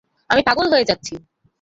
আমি পাগল হয়ে যাচ্ছি!